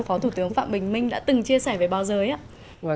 phó thủ tướng phạm bình minh đã từng chia sẻ với báo giới ạ